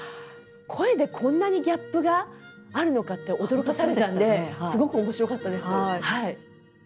声でこんなにギャップがあるのかって驚かされたんですごく面白かったです。